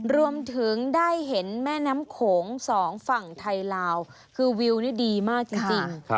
รวมถึงได้เห็นแม่น้ำโขงสองฝั่งไทยลาวคือวิวนี่ดีมากจริง